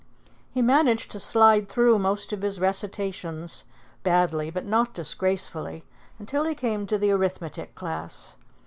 He managed to slide through most of his recitations, badly but not disgracefully, until he came to the arithmetic class.